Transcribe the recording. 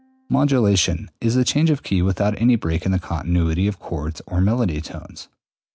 Modulation is a change of key without any break in the continuity of chords or melody tones.